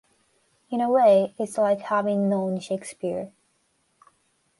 In a way, it's like having known Shakespeare.